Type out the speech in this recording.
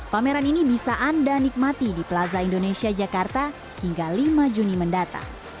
pameran ini bisa anda nikmati di plaza indonesia jakarta hingga lima juni mendatang